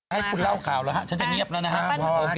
ให้คุณเล่าข่าวแล้วฮะฉันจะเงียบแล้วนะฮะ